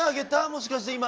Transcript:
もしかして今。